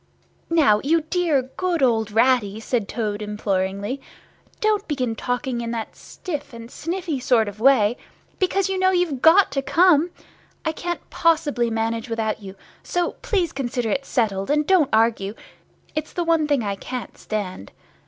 _'" "Now, you dear good old Ratty," said Toad, imploringly, "don't begin talking in that stiff and sniffy sort of way, because you know you've got to come. I can't possibly manage without you, so please consider it settled, and don't argue—it's the one thing I can't stand.